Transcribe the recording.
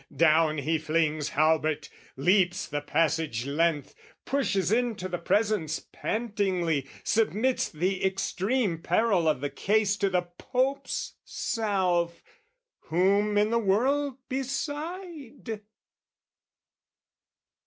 Down he flings halbert, leaps the passage length, Pushes into the presence, pantingly Submits the extreme peril of the case To the Pope's self, whom in the world beside?